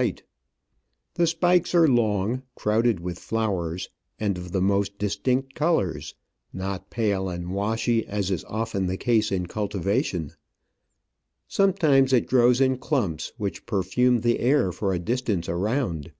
Digitized by VjOOQIC I go Travels and Adventures The spikes are long, crowded with flowers, and of the most distinct colours — not pale and washy, as is often the case in cultivation ; sometimes it grows in clumps, which perfume the air for a distance around.